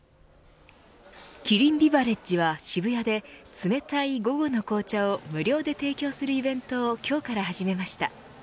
キリンビバレッジは渋谷で冷たい午後の紅茶を無料で提供するイベントを今日から始めました。